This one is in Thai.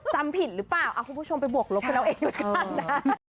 จำผิดหรือเปล่าเอาคุณผู้ชมไปบวกลบกันเอาเองแล้วกันนะ